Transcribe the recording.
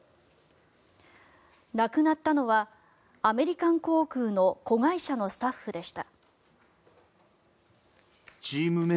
亡くなったのはアメリカン航空の子会社のスタッフでした。